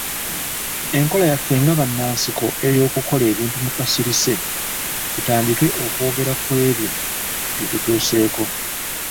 Enkola yaffe nga bannansiko ey'okukola ebintu mu kasirise, tutandike okwogera ku ebyo bye tutuuseeko.